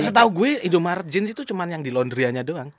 setau gue indomaret jeans itu cuma yang di laundry nya doang